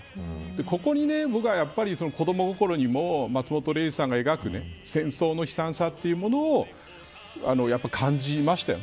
ここに、僕は子ども心にも松本零士さんが描く戦争の悲惨さというものを感じましたよ。